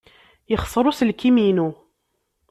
Yexṣer uselkim-inu.